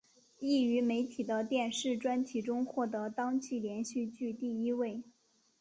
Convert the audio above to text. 亦于媒体的电视专题中获得当季连续剧第一位。